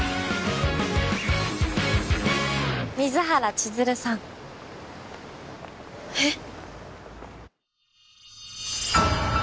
・水原千鶴さんえっ？